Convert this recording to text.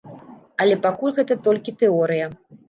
Але пакуль гэта толькі тэорыя.